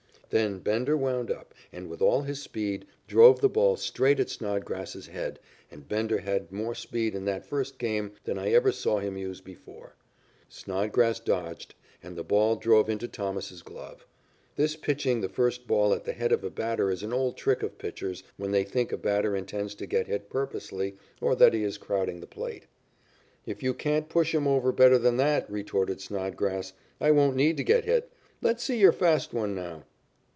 Then Bender wound up and with all his speed drove the ball straight at Snodgrass's head, and Bender had more speed in that first game than I ever saw him use before. Snodgrass dodged, and the ball drove into Thomas's glove. This pitching the first ball at the head of a batter is an old trick of pitchers when they think a player intends to get hit purposely or that he is crowding the plate. "If you can't push 'em over better than that," retorted Snodgrass, "I won't need to get hit. Let's see your fast one now."